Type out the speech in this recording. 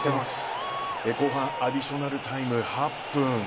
後半アディショナルタイム８分。